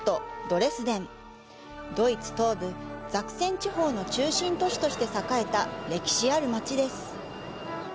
ドイツ東部、ザクセン地方の中心都市として栄えた歴史ある街です。